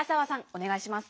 おねがいします。